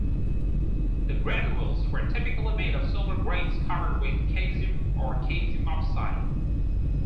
The granules were typically made of silver grains covered with caesium or caesium oxide.